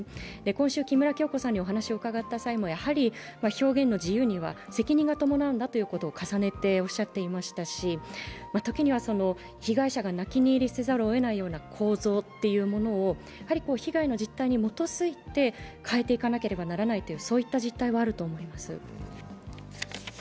今週、木村響子さんさんにお話を伺った際にも、表現の自由には責任が伴うんだということを重ねておっしゃっていましたし、時には被害者が泣き寝入りせざるをえないような構造というものを被害の実態に基づいて変えていかなければならないという実態はあると思います。